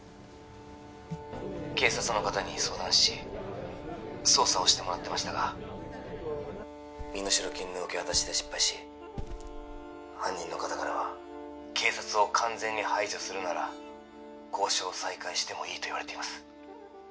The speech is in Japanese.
警察の方に相談し捜査をしてもらってましたが身代金の受け渡しで失敗し犯人の方からは警察を完全に排除するなら交渉を再開してもいいと言われています